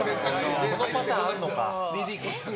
このパターンあるのか。